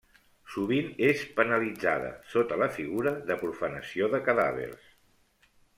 Sovint és penalitzada, sota la figura de profanació de cadàvers.